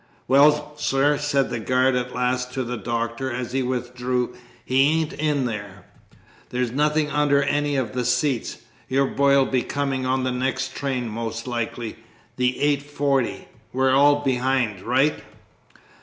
"Well, sir," said the guard at last to the Doctor, as he withdrew, "he ain't in there. There's nothing under any of the seats. Your boy'll be comin' on by the next train, most likely the 8.40. We're all behind. Right!"